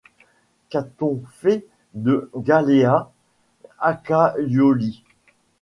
Qu’a-t-on fait de Galeas Accaioli ?